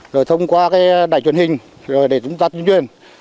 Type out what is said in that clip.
rồi thông qua đài truyền hình để chúng ta tuyên truyền